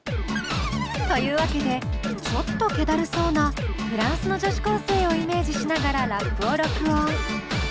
というわけでちょっとけだるそうなフランスの女子高生をイメージしながらラップを録音。